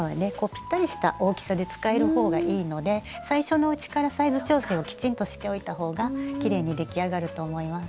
ぴったりした大きさで使える方がいいので最初のうちからサイズ調整をきちんとしておいた方がきれいに出来上がると思います。